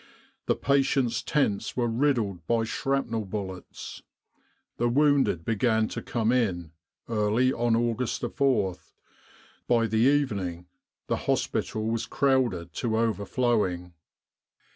The patients' tents were riddled by shrapnel bullets. The wounded began to come in early on August 4th ; by the evening the hospital was crowded to overflowing.